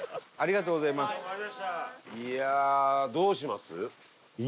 いやあどうします？